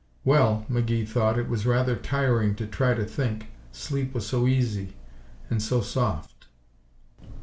Well, McGee thought, it was rather tiring to try to think. Sleep was so easy and so soft.